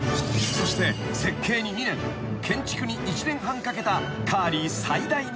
［そして設計に２年建築に１年半かけたカーリー］